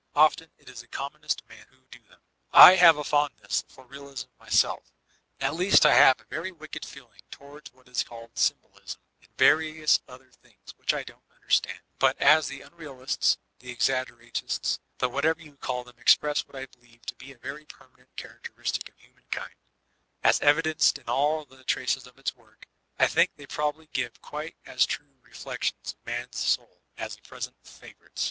Often it is the commonest men who do them. I have a fondness for realism myseff ; at least I have a very wicked feeling towards what is called ''symbol ism," and various other things which I don't understand ; but as the '*Unrealists," the "Exaggeratists," the what ever you call them express what I believe to be a very permanent characteristic of humankind, as evidenced in 370 VOLTAISINE DB ClEYSB all the traces of its work, I think they probably give quite as true reflections of Man's Soul as the present favorites.